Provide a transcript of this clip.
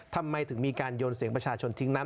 ทำไมถึงมีการโยนเสียงประชาชนทิ้งน้ำ